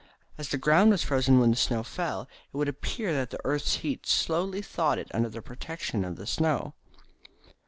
As the ground was frozen when the snow fell, it would appear that the earth's heat slowly thawed it under the protection of the snow.